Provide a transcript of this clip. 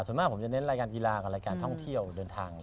ส่วนมากผมจะเน้นรายการกีฬากับรายการท่องเที่ยวเดินทาง